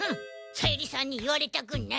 さゆりさんに言われたくない。